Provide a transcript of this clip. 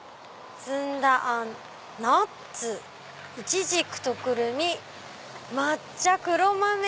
「ずんだあんナッツいちじくとクルミ抹茶黒豆」。